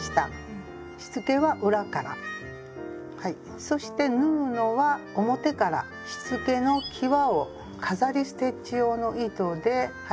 しつけは裏からはいそして縫うのは表からしつけのきわを飾りステッチ用の糸で縫っていきます。